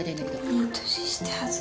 いい年して恥ず。